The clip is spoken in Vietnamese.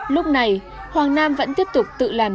lúc này hoàng nam vẫn tiếp tục tự làm